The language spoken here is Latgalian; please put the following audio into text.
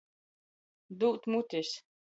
Dūt mutis.